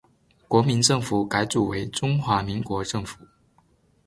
国民政府改组为中华民国政府。